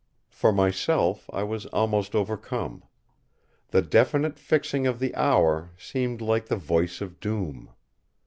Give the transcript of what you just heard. For myself I was almost overcome. The definite fixing of the hour seemed like the voice of Doom.